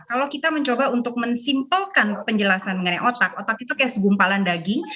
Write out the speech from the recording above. kalau kita mencoba untuk mensimpelkan penjelasan mengenai otak otak itu kayak segumpalan daging